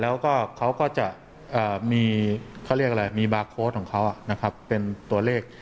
แล้วก็เขาก็จะมีเขาเรียกอะไรมีบาร์โค้ดของเขานะครับเป็นตัวเลข